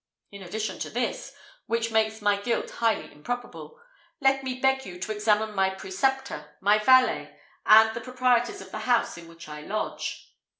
In addition to this, which makes my guilt highly improbable, let me beg you to examine my preceptor, my valet, and the proprietors of the house in which I lodge."